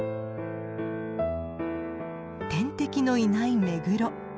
天敵のいないメグロ。